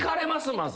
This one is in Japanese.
まず。